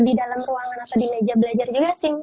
di dalam ruangan atau di meja belajar juga sih